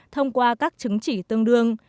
thông qua các chứng chỉ tương đương